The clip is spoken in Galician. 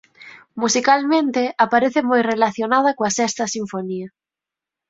Musicalmente aparece moi relacionada coa sexta sinfonía.